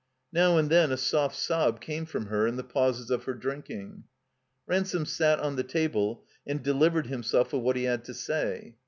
Now and then a soft sob came from her in the pauses of her drinking. Ransome sat on the table and delivered himself of what he had to say.